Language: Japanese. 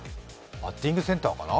バッティングセンターかな？